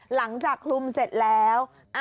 หลังจากคลุมเสร็จแล้ว